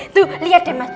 tuh liat deh mas